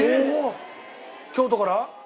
京都から？